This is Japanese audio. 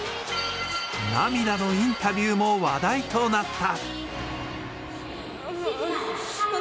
涙のインタビューも話題となった。